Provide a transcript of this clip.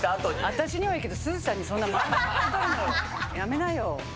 私にはいいけど、すずちゃんにそんなマウント取るのやめなよ。